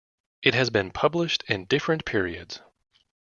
It has been published in different periods.